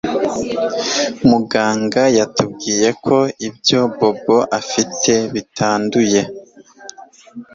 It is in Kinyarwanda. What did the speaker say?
Muganga yatubwiye ko ibyo Bobo afite bitanduye